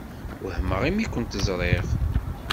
Wehmeɣ imi kent-ẓṛiɣ.